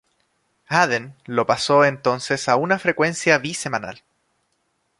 Hadden lo pasó entonces a una frecuencia bi-semanal.